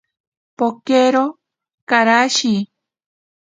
Pokero karashi.